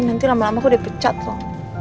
nanti lama lama aku dipecat loh